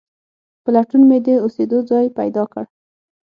په لټون مې د اوسېدو ځای پیدا کړ.